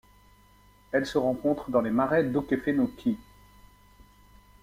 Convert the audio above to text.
Elle se rencontre dans les marais d'Okefenokee.